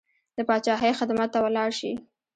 د پاچاهۍ خدمت ته ولاړ شي.